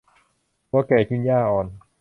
วัวแก่กินหญ้าอ่อน